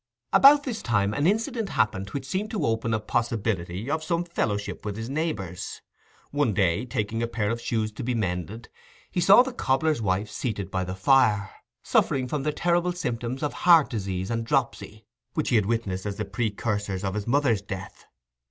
About this time an incident happened which seemed to open a possibility of some fellowship with his neighbours. One day, taking a pair of shoes to be mended, he saw the cobbler's wife seated by the fire, suffering from the terrible symptoms of heart disease and dropsy, which he had witnessed as the precursors of his mother's death.